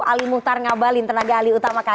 ali muhtar ngabalin tenaga ali utama